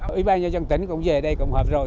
ủy ban nhân dân tỉnh cũng về đây cùng họp rồi